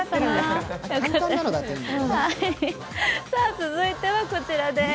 続いてはこちらです。